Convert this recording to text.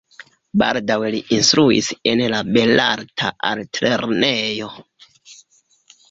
Baldaŭe li instruis en la belarta altlernejo.